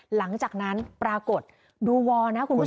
หลังจากนั้นปรากฏดูวอลนะคุณผู้ชม